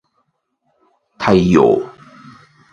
太陽